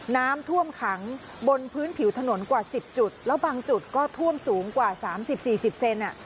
น้ำท่วมขังบนพื้นผิวถนนกว่าสิบจุดแล้วบางจุดก็ท่วมสูงกว่าสามสิบสี่สิบเซนอ่ะ